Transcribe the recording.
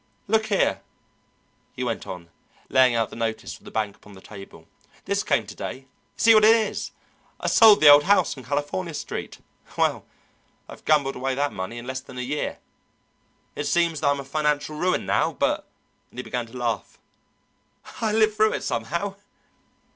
Look here!" he went on, laying out the notice from the bank upon the table, "this came to day. You see what it is! I sold the old house on California Street. Well, I've gambled away that money in less than a year. It seems that I'm a financial ruin now, but" and he began to laugh "I live through it somehow.